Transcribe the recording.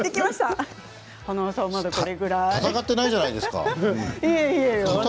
戦ってないじゃないですか。